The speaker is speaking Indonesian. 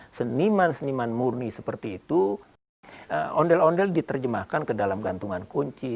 dan untuk seniman seniman murni seperti itu ondel ondel diterjemahkan ke dalam gantungan kunci